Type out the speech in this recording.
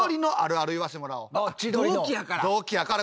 同期やから。